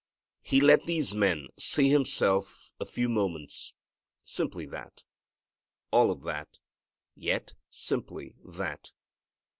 He let these men see Himself a few moments; simply that. All of that, yet simply that.